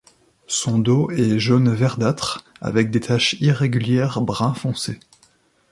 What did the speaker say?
Son dos est jaune verdâtre avec des taches irrégulières brun foncé.